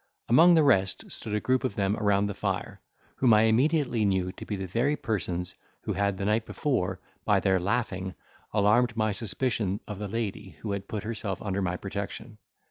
Among the rest stood a group of them round the fire whom I immediately knew to be the very persons who had the night before, by their laughing, alarmed my suspicion of the lady who had put herself under my protection.